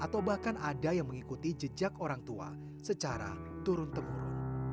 atau bahkan ada yang mengikuti jejak orang tua secara turun temurun